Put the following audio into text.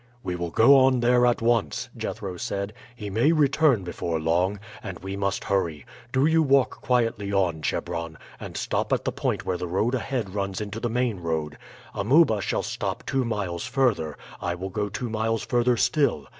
"We will go on there at once," Jethro said. "He may return before long, and we must hurry. Do you walk quietly on, Chebron, and stop at the point where the road ahead runs into the main road. Amuba shall stop two miles further; I will go two miles further still.